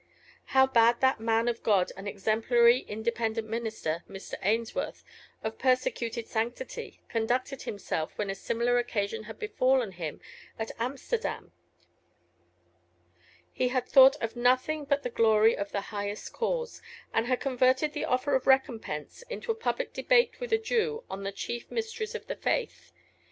How had that man of God and exemplary Independent minister, Mr. Ainsworth, of persecuted sanctity, conducted himself when a similar occasion had befallen him at Amsterdam? He had thought of nothing but the glory of the highest cause, and had converted the offer of recompense into a public debate with a Jew on the chief mysteries of the faith.